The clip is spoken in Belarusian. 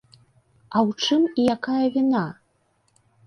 А ў чым і якая віна?